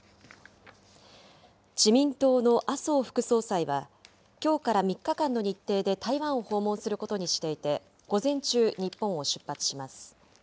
自民党の麻生副総裁は、きょうから３日間の日程で台湾を訪問することにしていて、午前中、日本を出発します。